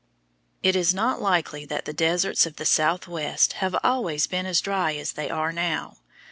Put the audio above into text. It is not likely that the deserts of the southwest have always been as dry as they are now.